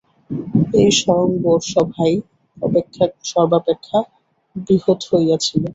এই স্বয়ংবর-সভাই সর্বাপেক্ষা বৃহৎ হইয়াছিল।